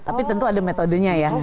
tapi tentu ada metodenya ya